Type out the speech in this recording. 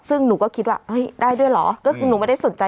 ซึ่งหนูก็คิดว่าเฮ้ยได้ด้วยเหรอก็คือหนูไม่ได้สนใจ